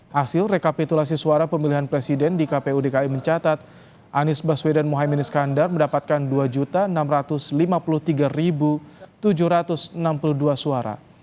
hasil rekapitulasi suara pemilihan presiden di kpu dki mencatat anies baswedan mohaimin iskandar mendapatkan dua enam ratus lima puluh tiga tujuh ratus enam puluh dua suara